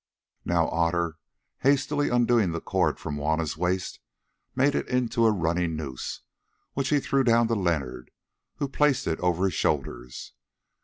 Now Otter, hastily undoing the cord from Juanna's waist, made it into a running noose which he threw down to Leonard, who placed it over his shoulders.